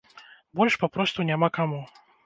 Больш папросту няма каму.